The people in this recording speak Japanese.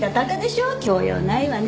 教養ないわね。